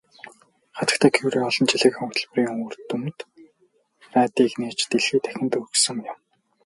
Хатагтай Кюре олон жилийнхээ хөдөлмөрийн үр дүнд радийг нээж дэлхий дахинд өгсөн юм.